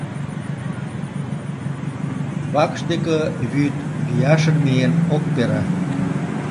Вакш деке вӱд вияшын миен ок пере.